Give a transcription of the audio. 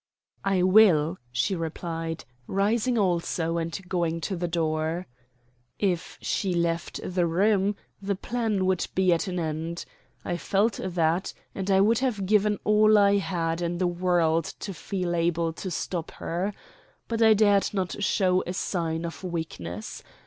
"I will," she replied, rising also and going to the door. If she left the room the plan would be at an end. I felt that, and I would have given all I had in the world to feel able to stop her. But I dared not show a sign of weakness.